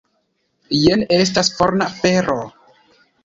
Jen estas forna fero!